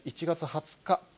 １月２０日。